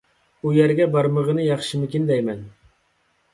ئۇ يەرگە بارمىغىنى ياخشىمىكىن دەيمەن.